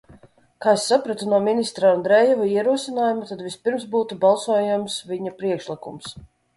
Kā es sapratu no ministra Andrejeva ierosinājuma, tad vispirms būtu balsojams viņa priekšlikums.